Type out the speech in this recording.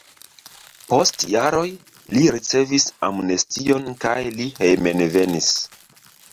Post jaroj li ricevis amnestion kaj li hejmenvenis.